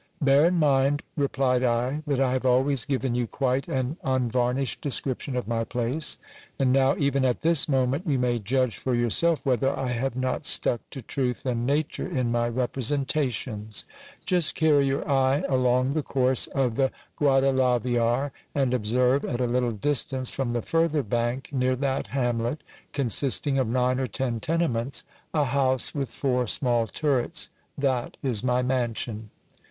Bear in mind, replied I, that I have always given you quite an unvarnished description of my place ; and now, even at this moment, you may judge for yourself whether I have not stuck to truth and nature in my representations. Just carry your eye along the course o:' the Guadalaviar, and observe at a little distance from the further bank, near that hamlet, consisting of nine or ten tenements, a house with four small turrets; that is my mansion.